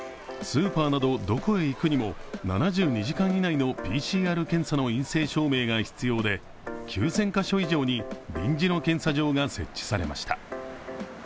スーパーなど、どこへ行くにも７２時間以内の陰性証明が必要で、９０００カ所以上に臨時の検査場が設置されました。